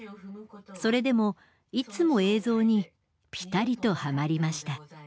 それでもいつも映像にピタリとはまりました。